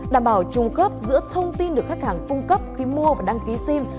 đảm bảo trùng khớp giữa thông tin được khách hàng cung cấp khi mua và đăng ký sim